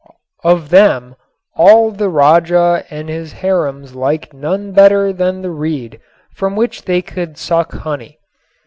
Of them all the Raja and his harems liked none better than the reed from which they could suck honey.